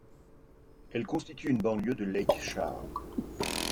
Elle constitue une banlieue de Lake Charles.